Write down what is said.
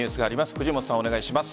藤本さん、お願いします。